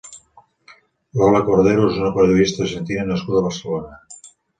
Lola Cordero és una periodista argentina nascuda a Barcelona.